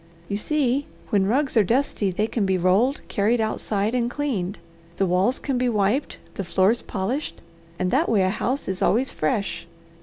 "You see, when rugs are dusty they can be rolled, carried outside, and cleaned. The walls can be wiped, the floors polished and that way a house is always fresh.